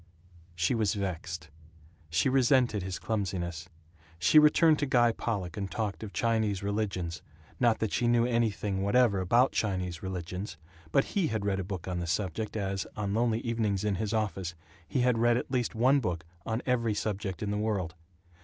She was vexed. She resented his clumsiness. She returned to Guy Pollock and talked of Chinese religions not that she knew anything whatever about Chinese religions, but he had read a book on the subject as, on lonely evenings in his office, he had read at least one book on every subject in the world.